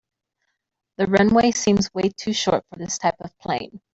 The runway seems way to short for this type of plane.